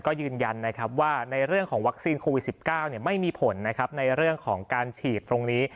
ก็ยืนยันนะครับว่าในเรื่องของวัคซีนโควิด๑๙ไม่มีผลนะครับในเรื่องของการฉีดตรงนี้